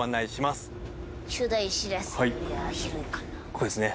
ここですね